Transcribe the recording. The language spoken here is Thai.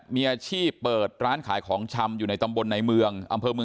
มีอาชีพเปิดร้านขายของชำอยู่ในตำบลในเมือง